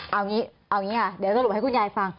เอาอย่างนี้ค่ะเดี๋ยวสรุปให้คุณยายฟัง